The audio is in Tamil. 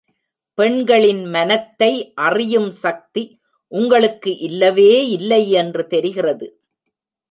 பெண்களின் மனத்தை அறியும் சக்தி உங்களுக்கு இல்லவே இல்லையென்று தெரிகிறது.